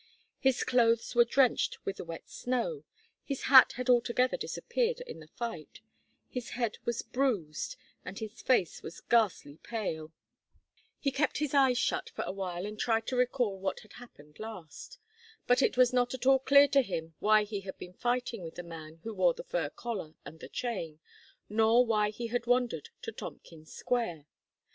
His clothes were drenched with the wet snow, his hat had altogether disappeared in the fight, his head was bruised, and his face was ghastly pale. He kept his eyes shut for a while and tried to recall what had happened last. But it was not at all clear to him why he had been fighting with the man who wore the fur collar and the chain, nor why he had wandered to Tompkins Square.